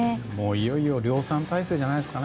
いよいよ量産体制じゃないですか。